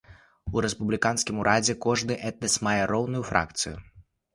У рэспубліканскім урадзе кожны этнас мае роўную фракцыю.